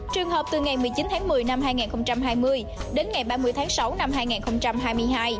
trường hợp từ ngày một mươi chín tháng một mươi năm hai nghìn hai mươi đến ngày ba mươi tháng sáu năm hai nghìn hai mươi hai